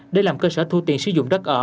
để làm cơ sở thu tiền sử dụng đất ở